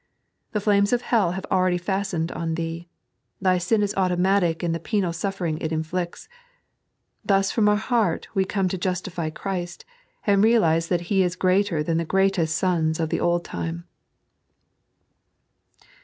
The flames of hell have already fastened on thee. Thy sin is automatic in the penal suffering it inflicts. Thus from our heart we come to justify Christ, and realize that He is greater than the greatest sons of the old time.